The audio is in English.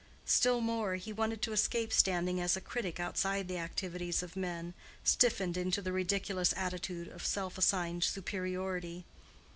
Still more, he wanted to escape standing as a critic outside the activities of men, stiffened into the ridiculous attitude of self assigned superiority.